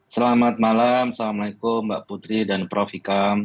selamat malam assalamualaikum mbak putri dan prof ikam